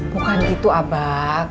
bukan gitu abak